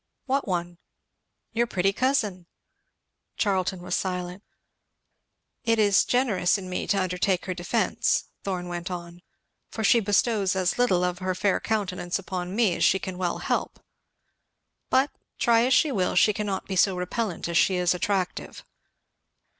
"What one?" "Your pretty cousin." Charlton was silent. "It is generous in me to undertake her defence," Thorn went on, "for she bestows as little of her fair countenance upon me as she can well help. But try as she will, she cannot be so repellant as she is attractive."